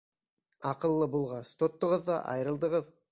Аҡыллы булғас, тоттоғоҙ ҙа айырылдығыҙ!